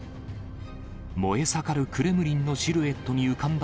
燃え盛るクレムリンのシルエットに浮かんだ